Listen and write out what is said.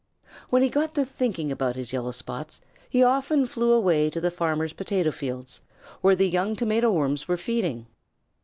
When he got to thinking about his yellow spots he often flew away to the farmer's potato fields, where the young Tomato Worms were feeding.